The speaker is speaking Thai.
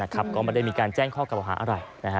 ก็ไม่ได้มีการแจ้งข้อเก่าหาอะไร